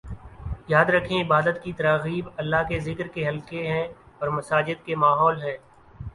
یاد رکھیں عبادت کی تراغیب اللہ کے ذکر کے حلقے ہیں اور مساجد کے ماحول ہیں